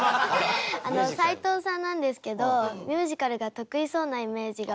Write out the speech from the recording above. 斉藤さんなんですけどミュージカルが得意そうなイメージが。